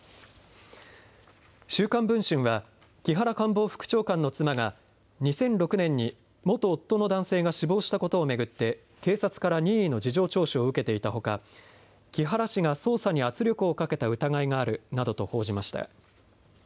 週刊文春は木原官房副長官の妻が２００６年に元夫の男性が死亡したことを巡って警察から任意の事情聴取を受けていたほか木原氏が捜査に圧力をかけた疑いがあるなどと報じました。